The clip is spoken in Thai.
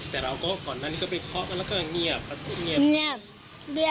แต่เราก็ก่อนหนั้นก็ไปข๊อคล้อก็สนุกแล้วพรรดี